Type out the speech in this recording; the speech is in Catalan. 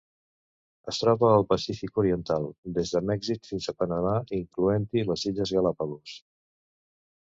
Es troba al Pacífic oriental: des de Mèxic fins a Panamà, incloent-hi les illes Galápagos.